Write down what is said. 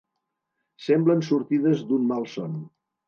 Semblen sortides d'un malson.